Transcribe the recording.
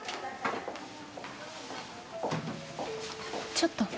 ちょっと。